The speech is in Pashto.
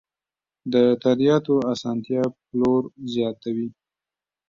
د تادیاتو اسانتیا پلور زیاتوي.